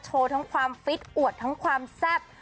โชว์ทั้งฟิตอวดทั้งความซับ